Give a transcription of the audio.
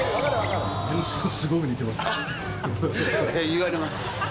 言われます。